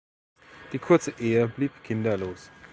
Die kurze Ehe blieb kinderlos.